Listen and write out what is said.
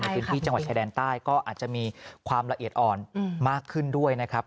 พื้นที่จังหวัดชายแดนใต้ก็อาจจะมีความละเอียดอ่อนมากขึ้นด้วยนะครับ